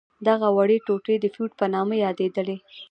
دغه وړې ټوټې د فیوډ په نامه یادیدلې.